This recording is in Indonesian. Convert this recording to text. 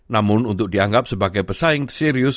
namun untuk dianggap sebagai pesaing serius